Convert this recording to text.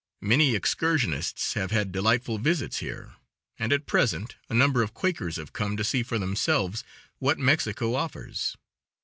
Many excursionists have had delightful visits here, and at present a number of Quakers have come to see for themselves what Mexico offers.